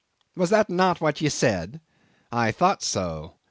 Was not that what ye said? I thought so.